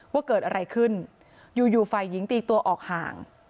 ว่าเกิดอะไรขึ้นอยู่ฝ่ายหญิงตีตัวออกห่าง